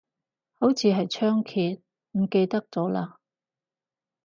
好似係倉頡，唔記得咗嘞